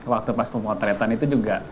waktu pas pemotretan itu juga